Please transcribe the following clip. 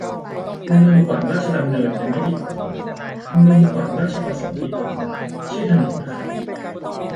ชุมนุมขวางราชดำเนิน ยังไม่ผิดกฎหมาย ชุมนุมขวางราชประสงค์ ผิดกฎหมาย ชื่อถนนนะครับ